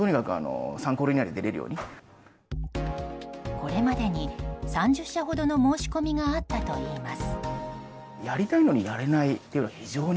これまでに３０社ほどの申し込みがあったといいます。